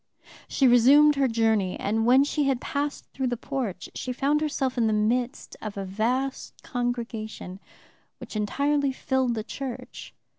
She resumed her journey, and when she had passed through the porch she found herself in the midst of a vast congregation which entirely filled the church.